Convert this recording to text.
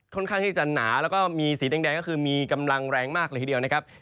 ข้างที่จะหนาแล้วก็มีสีแดงก็คือมีกำลังแรงมากเลยทีเดียวนะครับ